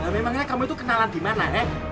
memangnya kamu itu kenalan di mana